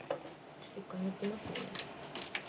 ちょっと１回抜きますね。